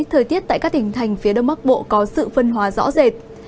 thời tiết tại các tỉnh thành phía đông bắc bộ có sự phân hóa rõ rệt